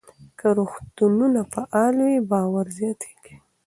که روغتونونه فعال وي، باور زیاتېږي.